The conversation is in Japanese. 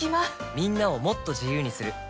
みんなをもっと自由にする「三菱冷蔵庫」